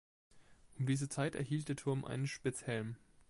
Um diese Zeit erhielt der Turm einen Spitzhelm.